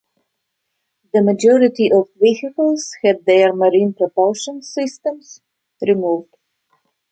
The majority of vehicles had their marine propulsion systems removed.